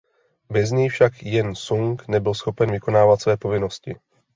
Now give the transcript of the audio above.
Bez něj však Jen Sung nebyl schopen vykonávat své povinnosti.